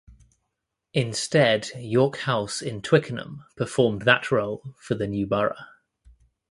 Instead York House in Twickenham performed that role for the new borough.